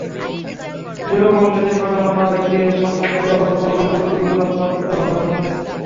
জনবহুল দেশের কথা মাথায় রেখেই সম্পূর্ণ নিরাপত্তা সংবলিত বিদ্যুৎকেন্দ্র স্থাপিত হবে বাংলাদেশে।